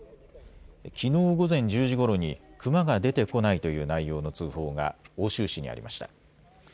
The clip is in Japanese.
きのう午前１０時ごろにクマが出てこないという内容の通報が奥州市にありました。